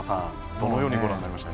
どのようにご覧になりましたか。